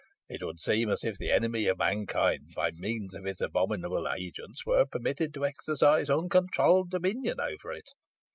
It would seem as if the enemy of mankind, by means of his abominable agents, were permitted to exercise uncontrolled dominion over it.